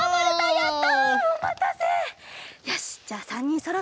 やった！